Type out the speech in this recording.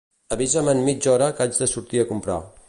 Avisa'm en mitja hora que haig de sortir a comprar.